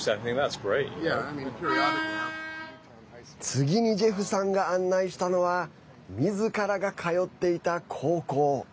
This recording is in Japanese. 次にジェフさんが案内したのはみずからが通っていた高校。